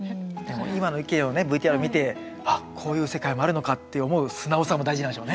今の意見をねＶＴＲ見てあっこういう世界もあるのかって思う素直さも大事なんでしょうね。